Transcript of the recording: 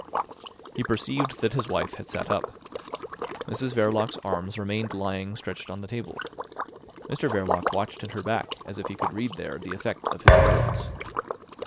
He perceived that his wife had sat up. Mrs Verloc's arms remained lying stretched on the table. Mr Verloc watched at her back as if he could read there the effect of his words.